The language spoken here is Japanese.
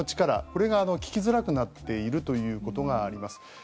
これが効きづらくなっているということがあります。